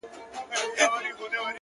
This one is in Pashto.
• په رڼا ورځ چي په عصا د لاري څرک لټوي,